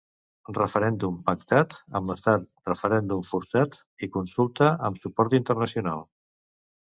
Referèndum pactat amb l'estat, referèndum forçat i consulta amb suport internacional.